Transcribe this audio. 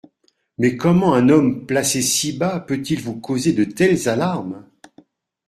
Mais comment un homme placé si bas peut-il vous causer de telles alarmes ?